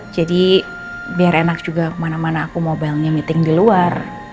jadi biar enak juga kemana mana aku mau barengnya meeting di luar